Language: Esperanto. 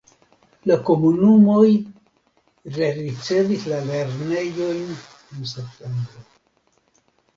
La komunumoj rericevis la lernejojn en septembro.